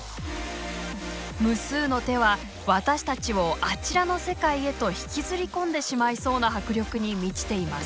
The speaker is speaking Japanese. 無数の手は私たちをあちらの世界へと引きずり込んでしまいそうな迫力に満ちています。